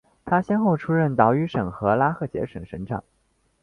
他先后出任岛屿省和拉赫杰省省长。